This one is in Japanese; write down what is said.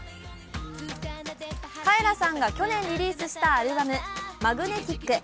カエラさんが去年リリースしたアルバム「ＭＡＧＮＥＴＩＣ」。